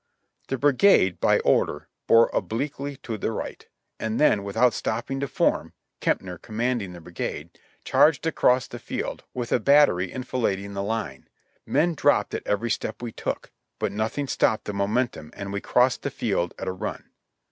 The brigade, by order, bore obliquely to the right, and then, without stopping to form, — Kemper commanding the brigatie. — charged across the field, with a battery enfilading the line. Men dropped at every step we took, but nothing stopped the momen tum and we crossed the field at a run.